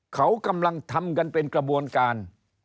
เขากำลังทำกันเป็นกระบวนการ